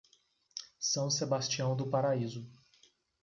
São Sebastião do Paraíso